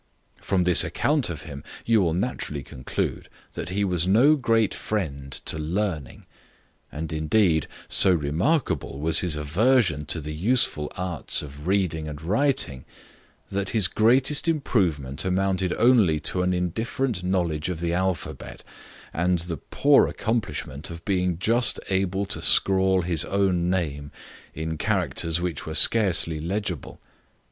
From this account of him you will naturally conclude that he was no great friend to learning; and, indeed, so remarkable was his aversion to the useful arts of reading and writing, that his greatest improvement amounted only to an indifferent knowledge of the alphabet, and the poor accomplishment of being just able to scrawl his own name in characters which were scarcely legible.